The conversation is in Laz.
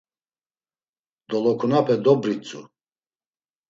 Dolokunape dobritzu.